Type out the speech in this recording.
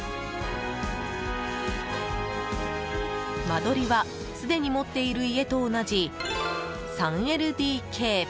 間取りはすでに持っている家と同じ３ＬＤＫ。